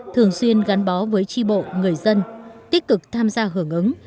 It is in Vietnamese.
thường xuyên gắn bó với tri bộ người dân tích cực tham gia hưởng ứng